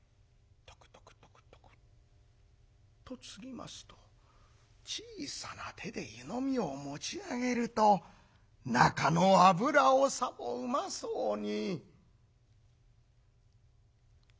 トクトクトクトクとつぎますと小さな手で湯飲みを持ち上げると中の油をさもうまそうに。